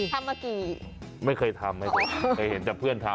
ทำมากี่ไม่เคยทำไม่เคยเห็นแต่เพื่อนทำ